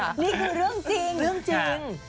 นี่คือเรื่องจริงเรื่องจริง